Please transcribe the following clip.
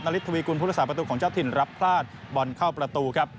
นฤทธวีคุณพุทธศาสตร์ประตูของเจ้าถิ่นรับพลาดบอลเข้าประตูครับ